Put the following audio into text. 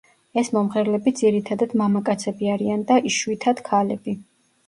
ეს „მომღერლები“ ძირითადად მამაკაცები არიან და იშვითად ქალები.